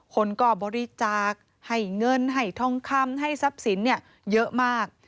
คนก็บริจาคให้เงินให้ทองคำให้ทรัพย์สินเยอะมาก